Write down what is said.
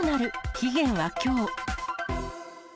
期限はきょう。